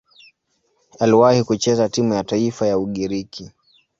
Aliwahi kucheza timu ya taifa ya Ugiriki.